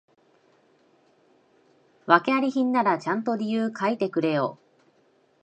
訳あり品ならちゃんと理由書いてくれよ